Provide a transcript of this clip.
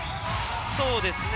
そうですね。